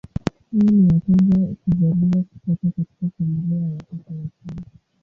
Yeye ni wa kwanza kuzaliwa kutoka katika familia ya watoto watano.